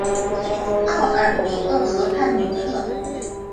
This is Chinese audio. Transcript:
奥尔比厄河畔吕克。